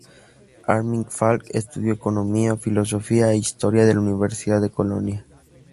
Armin Falk estudió economía, filosofía e historia en la Universidad de Colonia.